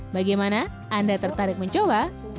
bagaimana anda tertarik mencoba